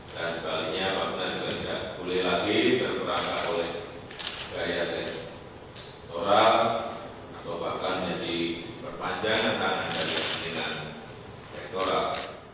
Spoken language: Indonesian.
dan sebaliknya partai segera tidak boleh lagi berperangkap oleh gaya sektoral atau bakal menjadi berpanjang antara kementerian dan sektoral